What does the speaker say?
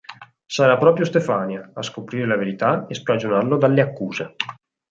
Sarà proprio Stefania a scoprire la verità e scagionarlo dalle accuse.